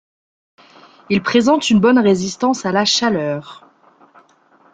Ils présentent une bonne résistance à la chaleur.